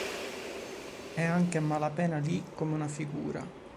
È anche a malapena lì come una figura.